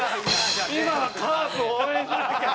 「今はカープを応援しなきゃ！」。